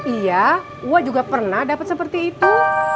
iya ua juga pernah dapet seperti itu